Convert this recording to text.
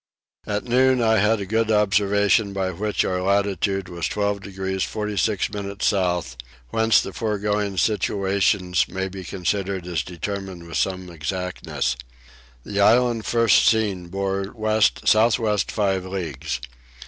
At noon I had a good observation by which our latitude was 12 degrees 46 minutes south, whence the foregoing situations may be considered as determined with some exactness. The island first seen bore west south west five leagues.